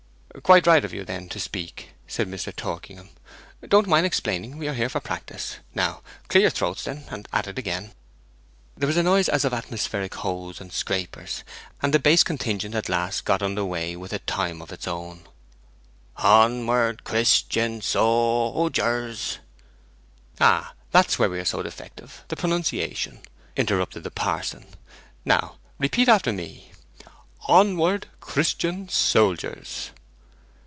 'Quite right of you, then, to speak,' said Mr. Torkingham. 'Don't mind explaining; we are here for practice. Now clear your throats, then, and at it again.' There was a noise as of atmospheric hoes and scrapers, and the bass contingent at last got under way with a time of its own: 'Honwerd, Christen sojers!' 'Ah, that's where we are so defective the pronunciation,' interrupted the parson. 'Now repeat after me: "On ward, Christ ian, sol diers."'